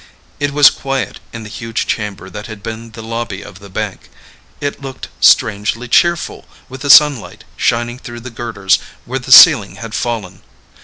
It was quiet in the huge chamber that had been the lobby of the bank. It looked strangely cheerful with the sunlight shining through the girders where the ceiling had fallen.